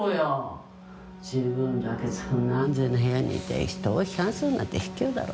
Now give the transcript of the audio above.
自分だけそんな安全な部屋にいて人を批判するなんて卑怯だろ。